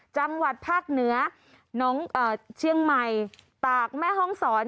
จังหวัดภาคเหนือน้องเชียงใหม่ตากแม่ห้องศร